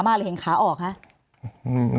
มีความรู้สึกว่ามีความรู้สึกว่า